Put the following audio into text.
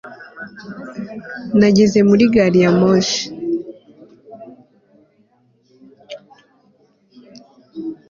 nageze muri gari ya moshi